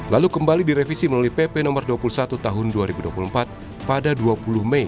lalu kembali direvisi melalui pp no dua puluh satu tahun dua ribu dua puluh empat pada dua puluh mei